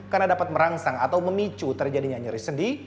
karena dapat merangsang atau memicu terjadinya nyeri sendi